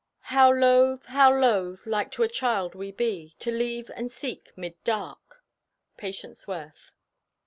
How loth, how loth, like to a child we be, to leave and seek 'mid dark!"—PATIENCE WORTH.